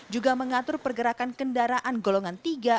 juga mengatur pergerakan kendaraan golongan tiga